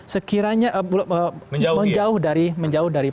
sekiranya menjauh dari